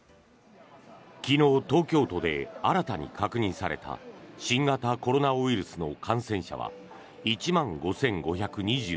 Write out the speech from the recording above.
昨日、東京都で新たに確認された新型コロナウイルスの感染者は１万５５２５人。